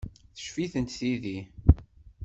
Teccef-itent tidi.